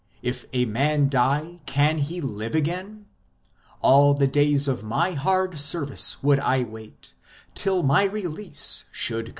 If a man die, can he live again ? All the days of my hard service would I wait, till my release should come.